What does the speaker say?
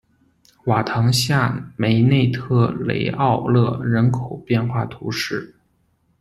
瓦唐下梅内特雷奥勒人口变化图示